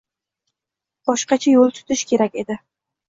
Boshqacha yoʻl tutish kerak edi